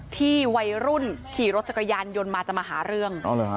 วัยรุ่นขี่รถจักรยานยนต์มาจะมาหาเรื่อง